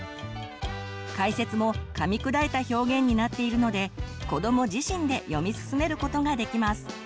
解説もかみ砕いた表現になっているので子ども自身で読み進めることができます。